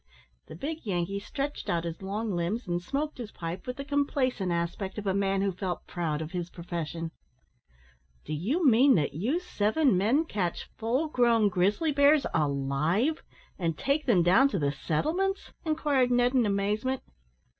The big Yankee stretched out his long limbs and smoked his pipe with the complacent aspect of a man who felt proud of his profession. "Do you mean that you seven men catch fall grown grizzly bears alive and take them down to the settlements?" inquired Ned in amazement.